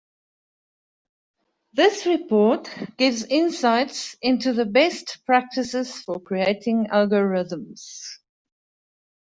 This report gives insights into the best practices for creating algorithms.